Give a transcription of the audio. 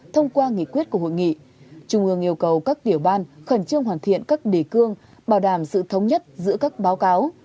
thông qua nghị quyết của hội nghị trung ương yêu cầu các tiểu ban khẩn trương hoàn thiện các đề cương bảo đảm sự thống nhất giữa các báo cáo